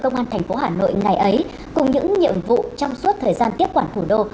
công an tp hà nội ngày ấy cùng những nhiệm vụ trong suốt thời gian tiếp quản thủ đô